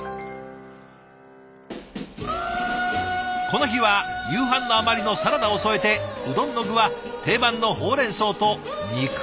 この日は夕飯の余りのサラダを添えてうどんの具は定番のほうれんそうと肉厚なお揚げ。